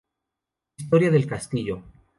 Historia del castillo.